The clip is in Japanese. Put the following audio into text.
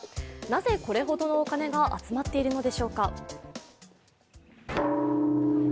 なぜ、これほどのお金が集まっているのでしょうか。